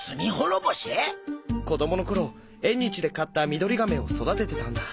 子どもの頃縁日で買ったミドリガメを育ててたんだ。